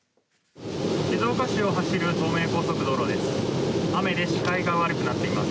静岡市を走る東名高速道路です。